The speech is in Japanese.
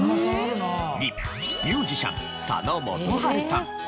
２ミュージシャン佐野元春さん。